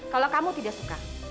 kalau kamu tidak suka